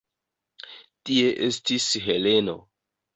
Tie estis Heleno.